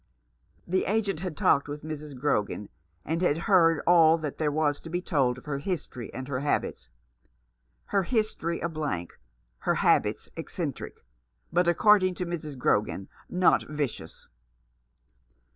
The agent had talked with Mrs. Grogan, and had heard all that there was to be told of her history and her habits. Her history a blank, her habits eccentric, but, according to Mrs. Grogan, not vicious.